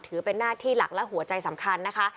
ถือเป็นหน้าที่หลักและหัวใจสำคัญนะคะ